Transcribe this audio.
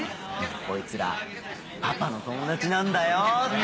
「こいつらパパの友達なんだよ」って！